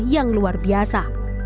yang luar biasa